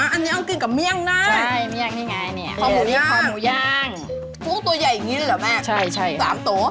อันนี้เอากินกับเมี่ยงน้ำขอมูค์ย่างพรุ่งตัวใหญ่อย่างนี้หรือแม่แม่สามตัว